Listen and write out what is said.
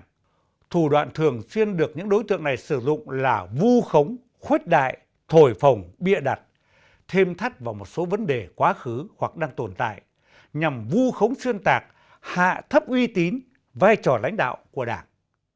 nhưng thủ đoạn thường xuyên được những đối tượng này sử dụng là vu khống khuết đại thổi phồng bịa đặt thêm thắt vào một số vấn đề quá khứ hoặc đang tồn tại nhằm vu khống xuyên tạc hạ thấp uy tín vai trò lãnh đạo của đảng